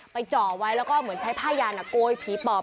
จ่อไว้แล้วก็เหมือนใช้ผ้ายานโกยผีปอบ